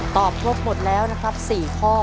ครบหมดแล้วนะครับ๔ข้อ